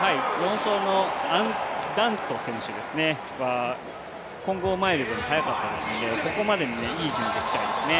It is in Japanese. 冒頭の選手は混合マイルでも速かったですので、ここまでいい順位でいきたいですね。